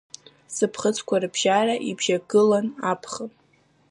Сыԥхыӡқәа рыбжьара, ибжьагылан аԥхын.